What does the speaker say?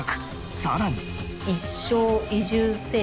さらに。